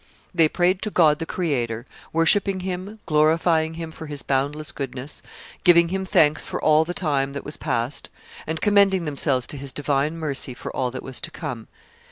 They prayed to God the Creator, worshipping Him, glorifying Him for his boundless goodness, giving Him thanks for all the time that was past, and commending themselves to His divine mercy for all that was to come.